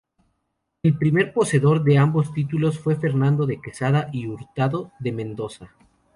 El primer poseedor de ambos títulos fue Fernando de Quesada y Hurtado de Mendoza.